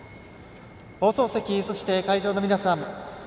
放送席、そして会場の皆さん